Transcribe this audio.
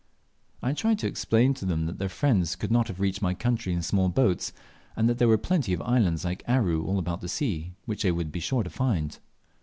I tried to explain to them that their friends could not have reached my country in small boats; and that there were plenty of islands like Aru all about the sea, which they would be sure to find.